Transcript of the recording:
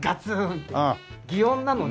擬音なので。